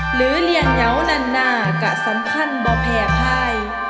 หรือเรียงเหนียวนานนากะสันพันธ์บ่แพพาย